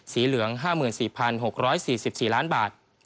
เหลือง๕๔๖๔๔ล้านบาท